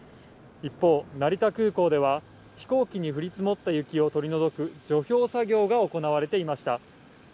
一方、成田空港では、飛行機に降り積もった雪を取り除く、除氷作業が行われていました。